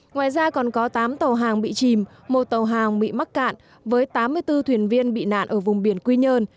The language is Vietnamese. ngoài ra còn có tám tàu hàng bị chìm một tàu hàng bị mắc cạn với tám mươi bốn thuyền viên bị nạn ở vùng biển quy nhơn